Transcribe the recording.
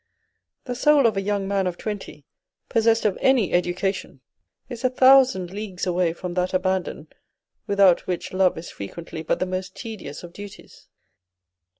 The soul of a young man of twenty, possessed of any education, is a thousand leagues away from that abandon without which love is frequently but the most tedious of duties.